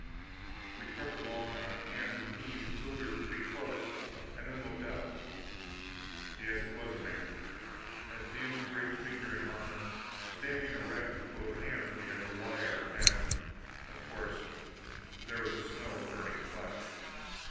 We crept along on our hands and knees until we were pretty close, and then looked up. Yes, it was a man a dim great figure in armor, standing erect, with both hands on the upper wire and, of course, there was a smell of burning flesh.